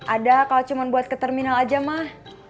ada kalau cuma buat ke terminal aja mah